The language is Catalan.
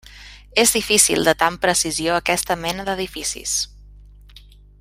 És difícil datar amb precisió aquesta mena d'edificis.